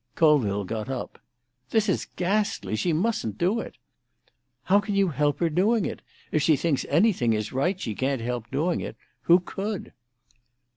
Colville got up. "This is ghastly! She mustn't do it!" "How can you help her doing it? If she thinks anything is right, she can't help doing it. Who could?"